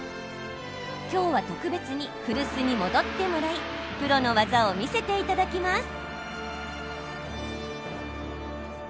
きょうは特別に古巣に戻ってもらいプロの技を見せていただきます。